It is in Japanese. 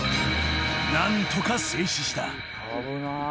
［何とか静止した］